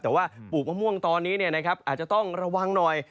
แต่ว่าปลูกมะม่วงตอนนี้อาจจะต้องระวังหน่อย